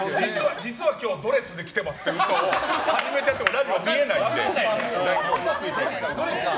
実は今日ドレスで来てますっていう嘘を始めても見えないんで。